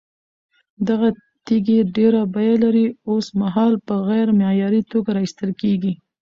دغه تېږې ډېره بيه لري، اوسمهال په غير معياري توگه راايستل كېږي،